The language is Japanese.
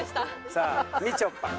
さあみちょぱ。